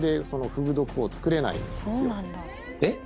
えっ！？